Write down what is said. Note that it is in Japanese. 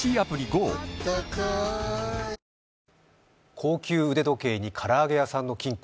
高級腕時計にから揚げ屋さんの金庫。